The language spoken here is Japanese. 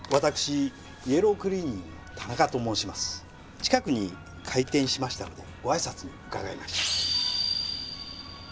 近くに開店しましたのでごあいさつに伺いました。